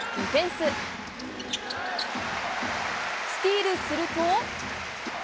スティールすると。